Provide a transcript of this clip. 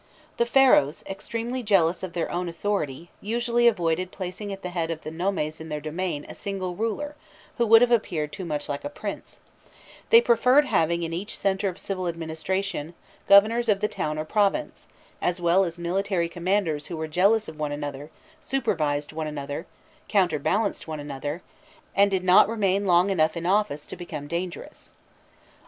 The Pharaohs, extremely jealous of their own authority, usually avoided placing at the head of the nomes in their domain, a single ruler, who would have appeared too much like a prince; they preferred having in each centre of civil administration, governors of the town or province, as well as military commanders who were jealous of one another, supervised one another, counterbalanced one another, and did not remain long enough in office to become dangerous.